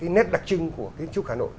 cái nét đặc trưng của kiến trúc hà nội